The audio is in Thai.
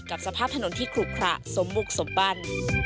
สภาพถนนที่ขลุขระสมบุกสมบัน